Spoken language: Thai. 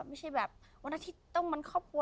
ไม่ใช่แบบวันอาทิตย์ต้องวันครอบครัว